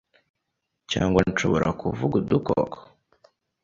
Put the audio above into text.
cyangwa nshobora kuvuga udukoko?